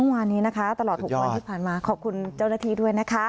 เมื่อวานนี้นะคะตลอด๖วันที่ผ่านมาขอบคุณเจ้าหน้าที่ด้วยนะคะ